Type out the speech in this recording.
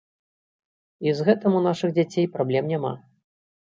І з гэтым у нашых дзяцей праблем няма.